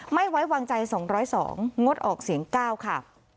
ไม่ไว้วางใจสองร้อยสองงดออกเสียงเก้าค่ะ